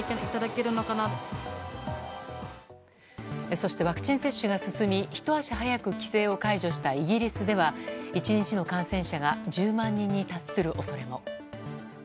そしてワクチン接種が進みひと足早く規制を解除したイギリスでは１日の感染者が１０万人に達する恐れも。